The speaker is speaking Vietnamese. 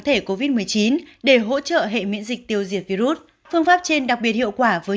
thể covid một mươi chín để hỗ trợ hệ miễn dịch tiêu diệt virus phương pháp trên đặc biệt hiệu quả với